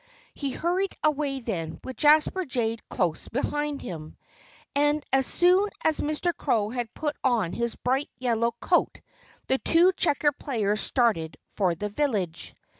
He hurried away then, with Jasper Jay close behind him. And as soon as Mr. Crow had put on his bright yellow coat the two checker players started for the village.